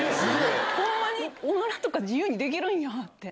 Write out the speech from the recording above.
ほんまにおならとか自由にできるんやって。